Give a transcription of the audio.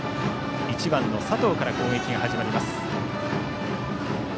１番の佐藤から攻撃が始まります。